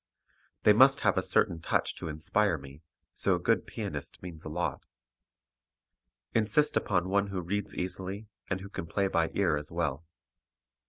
They must have a certain touch to inspire me, so a good pianist means a lot. Insist upon one who reads easily and who can play by ear as well.